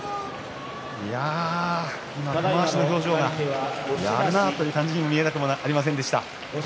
玉鷲の表情が、やるなあ、という感じに見えなくもありませんでした。